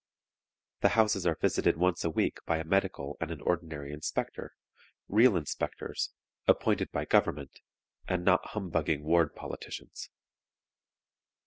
The houses are visited once a week by a medical and an ordinary inspector real inspectors, appointed by government, and not humbugging ward politicians.